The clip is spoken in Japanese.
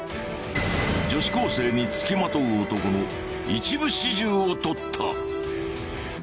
女子高生につきまとう男の一部始終を撮った。